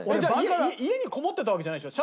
家にこもってたわけじゃないでしょ？